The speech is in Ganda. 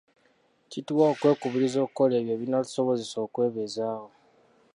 Kituwa okwekubiriza okukola ebyo ebinaatusobozesa okwebeezaawo.